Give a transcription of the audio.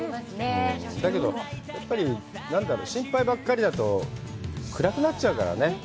だけど、やっぱり心配ばかりだと、暗くなっちゃうからね。